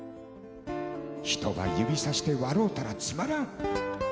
「人ば指さして笑うたらつまらん」